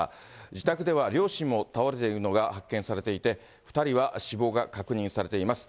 自宅では、両親も倒れているのが発見されていて、２人は死亡が確認されています。